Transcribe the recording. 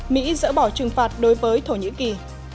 mỹ dỡ bỏ trừng phạt đối với thổ nhĩ kỳ